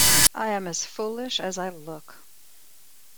I am as foolish as I look.